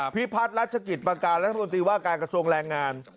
พิพัฒน์รัชกิจประการรัฐมนตรีว่าการกระทรวงแรงงาน